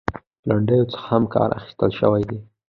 لنډيو څخه هم کار اخيستل شوى دى .